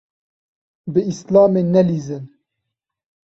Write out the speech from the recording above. Bi Îslamê nelîzin.